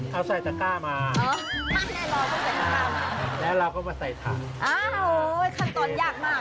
เอาใส่จักร้ามาแล้วเราก็มาใส่ถักคันตอนยากมาก